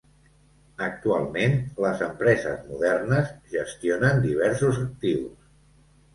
Actualment, les empreses modernes gestionen diversos actius.